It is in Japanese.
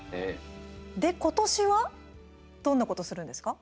今年はどんなことするんですか？